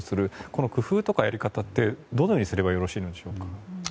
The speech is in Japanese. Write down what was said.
この工夫とかやり方ってどのようにすればいいんでしょうか？